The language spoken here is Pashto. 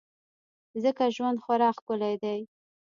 ځکه ژوند خورا ښکلی دی.